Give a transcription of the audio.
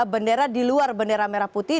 bendera di luar bendera merah putih